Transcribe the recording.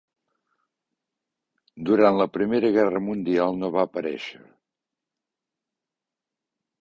Durant la Primera Guerra Mundial no va parèixer.